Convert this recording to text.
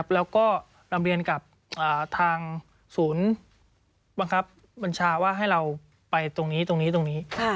แล้วก็นำเรียนกับทางศูนย์บังคับบัญชาว่าให้เราไปตรงนี้ตรงนี้ตรงนี้